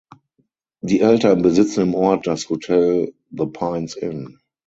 Die Eltern besitzen im Ort das Hotel "The Pines Inn".